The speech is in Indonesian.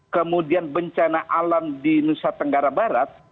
kemudian bencana alam di nusa tenggara barat